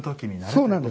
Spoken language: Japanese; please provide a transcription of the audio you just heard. そうなんです。